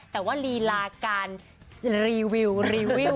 แต่ว่าลีลาการรีวิวรีวิว